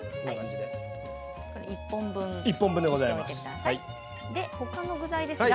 １本分でございます。